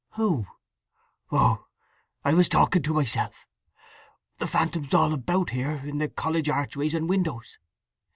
"Who?" "Oh—I was talking to myself! The phantoms all about here, in the college archways, and windows.